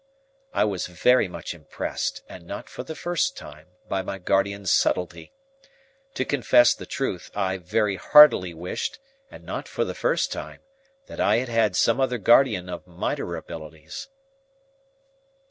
I was very much impressed, and not for the first time, by my guardian's subtlety. To confess the truth, I very heartily wished, and not for the first time, that I had had some other guardian of minor abilities.